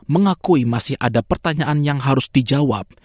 mengakui masih ada pertanyaan yang harus dijawab